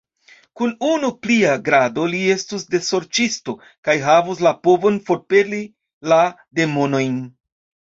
Kun unu plia grado, li estus desorĉisto kaj havus la povon forpeli la demonojn!